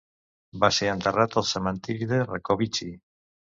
Va ser enterrat al Cementiri de Rakowicki.